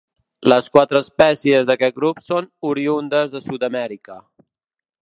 Les quatre espècies d'aquest grup són oriündes de Sud-amèrica.